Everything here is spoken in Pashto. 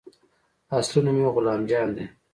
اصلي نوم يې غلام جان دى.